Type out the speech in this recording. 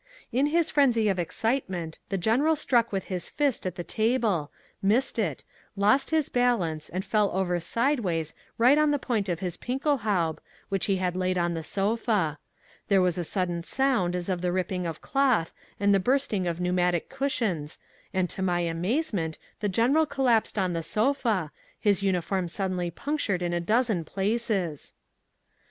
In his frenzy of excitement the General struck with his fist at the table, missed it, lost his balance and fell over sideways right on the point of his Pickelhaube which he had laid on the sofa. There was a sudden sound as of the ripping of cloth and the bursting of pneumatic cushions and to my amazement the General collapsed on the sofa, his uniform suddenly punctured in a dozen places.